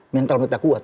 mental kita kuat